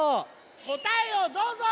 こたえをどうぞ！